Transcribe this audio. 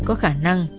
có khả năng